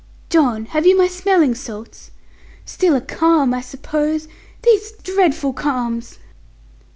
John, have you my smelling salts? Still a calm, I suppose? These dreadful calms!"